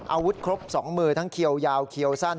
อาวุธครบ๒มือทั้งเขียวยาวเขียวสั้น